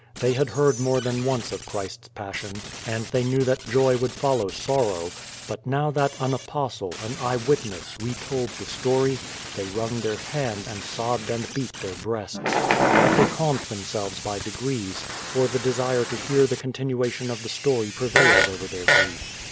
They had heard more than once of Christ's Passion, and they knew that joy would follow sorrow; but now that an Apostle, an eye witness, retold the story, they wrung their hands, and sobbed aud beat their breasts. But they calmed t/\emselves by degrees, for the desire to hear the continuation of the story prevailed over their grief.